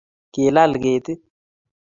kilal kerti.